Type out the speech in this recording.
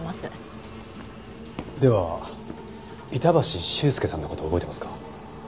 では板橋秀介さんの事覚えてますか？